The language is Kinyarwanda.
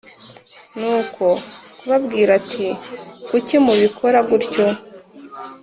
ni ko kubabwira ati kuki mubikora gutyo